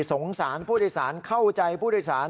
สงสารผู้โดยสารเข้าใจผู้โดยสาร